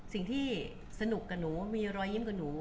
สิ่งที่สนุกกับหนูมีรอยยิ้มกับหนู